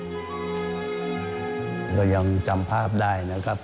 ก็ยังจำภาพได้นะครับ